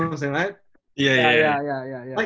dia akan baik baik saja